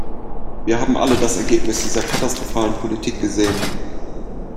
Wir haben alle das Ergebnis dieser katastrophalen Politik gesehen.